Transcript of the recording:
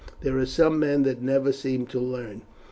There are some men who never seem to learn.